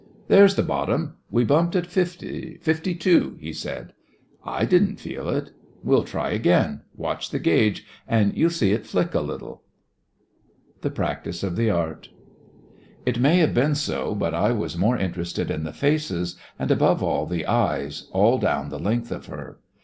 "There's the bottom. We bumped at fifty — fifty two," he said. "I didn't feel it." " We'll try again. Watch the gauge and you'll see it flick a little.". 64 THE FRINGES OF THE FLEET THE PRACTICE OF THE ART It may have been so, but I was more interested in the faces, and above all the eyes, all down the length of her.